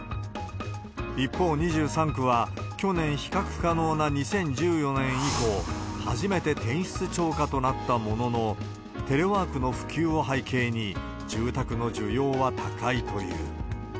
一方、２３区は去年、比較可能な２０１４年以降、初めて転出超過となったものの、テレワークの普及を背景に、住宅の需要は高いという。